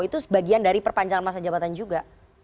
itu sebagian dari perpanjangan masa jabatan juga